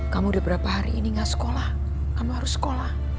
kamu udah berapa hari ini gak sekolah kamu harus sekolah